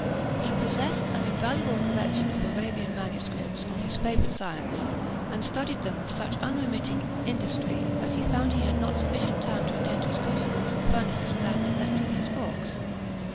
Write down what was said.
He possessed an invaluable collection of Arabian manuscripts on his favourite science, and studied them with such unremitting industry that he found he had not sufficient time to attend to his crucibles and furnaces without neglecting his books.